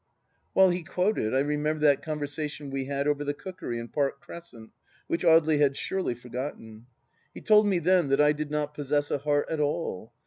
. While he quoted I remembered that conversation we had over the cookery in Park Crescent, which Audely had surely forgotten. He told me then that I did not possess a heart at all.